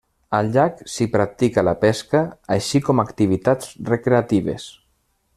Al llac s'hi practica la pesca, així com activitats recreatives.